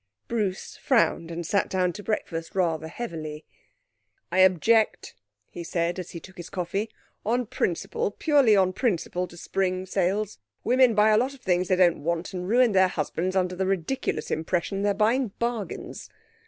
Bruce frowned and sat down to breakfast, rather heavily. 'I object,' he said as he took his coffee, 'on principle purely on principle to spring sales. Women buy a lot of things they don't want, and ruin their husbands under the ridiculous impression they're buying bargains.'